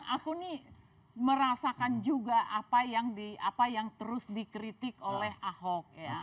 aku nih merasakan juga apa yang terus dikritik oleh ahok